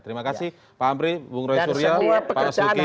terima kasih pak ampri bung roy surya pak rastuki